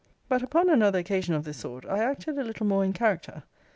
But, upon another occasion of this sort, I acted a little more in character.